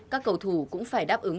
các cầu thủ cũng phải đáp ứng